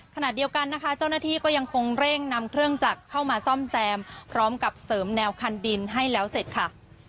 ขณะเดียวกันนะคะเจ้าหน้าที่ก็ยังคงเร่งนำเครื่องจักรเข้ามาซ่อมแซมพร้อมกับเสริมแนวคันดินให้แล้วเสร็จค่ะ